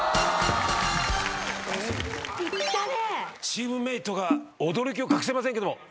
チームメートが驚きを隠せませんけども。